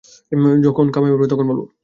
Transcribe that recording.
যখন কামাই বাড়বে তখন।